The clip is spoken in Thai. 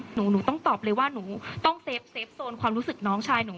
หนูต้องตอบเลยว่าหนูต้องเซฟโซนความรู้สึกน้องชายหนู